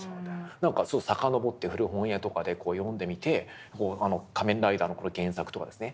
何か遡って古本屋とかで読んでみて「仮面ライダー」の原作とかですね